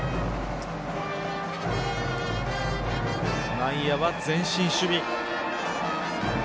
内野は前進守備。